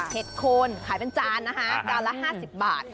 โคนขายเป็นจานนะคะจานละ๕๐บาท